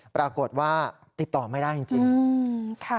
ปรากฏว่าติดต่อไม่ได้จริง